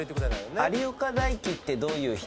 有岡大貴ってどういう人？